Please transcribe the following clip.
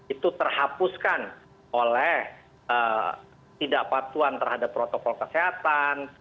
itu terhapuskan oleh tidak patuan terhadap protokol kesehatan